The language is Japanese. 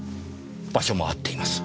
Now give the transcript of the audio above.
場所も合っています。